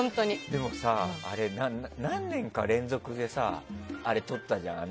でもさ、何年か連続でさとったじゃん。